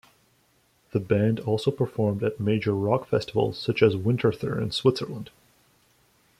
The band also performed at major rock festivals such as Winterthur in Switzerland.